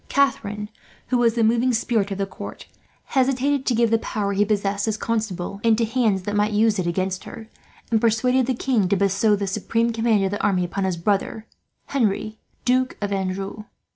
Catharine, who was the moving spirit of the court, hesitated to give the power he possessed, as Constable, into hands that might use it against her; and persuaded the king to bestow the supreme command of the army upon his brother, Henri, Duke of Anjou.